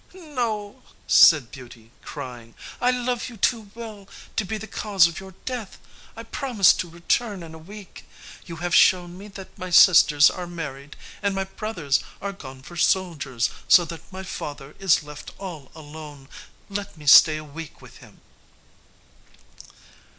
"No," said Beauty, crying, "I love you too well to be the cause of your death; I promise to return in a week. You have shown me that my sisters are married, and my brothers are gone for soldiers, so that my father is left all alone. Let me stay a week with him."